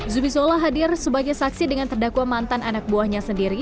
zumi zola hadir sebagai saksi dengan terdakwa mantan anak buahnya sendiri